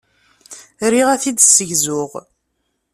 Riɣ ad t-id-ssegzuɣ.